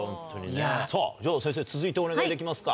じゃあ先生続いてお願いできますか。